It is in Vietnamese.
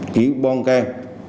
kỹ bong can